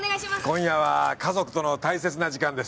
今夜は家族との大切な時間です。